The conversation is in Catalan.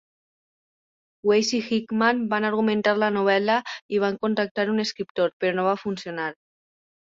Weis i Hickman van argumentar la novel·la i van contractar un escriptor, però no va funcionar.